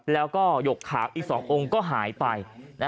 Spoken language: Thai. แล้วก็หยกขาวอีก๒องค์ก็หายไป